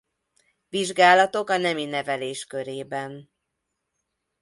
Vizsgálatok a nemi nevelés körében.